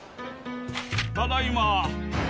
「ただいま」。